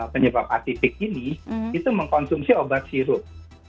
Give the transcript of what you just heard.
penyebab atipik ini itu mengkonsumsi obat sirup